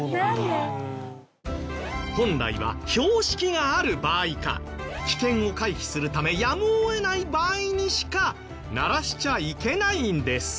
本来は標識がある場合か危険を回避するためやむを得ない場合にしか鳴らしちゃいけないんです。